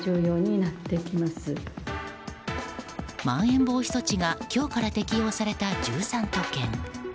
まん延防止措置が今日から適用された１３都県。